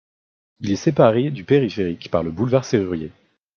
Il est séparé du périphérique par le boulevard Sérurier.